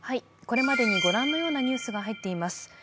これまでに御覧のようなニュースが入っています。